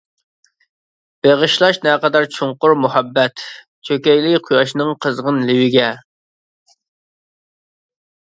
بېغىشلاش نەقەدەر چوڭقۇر مۇھەببەت، چۆكەيلى قۇياشنىڭ قىزغىن لېۋىگە.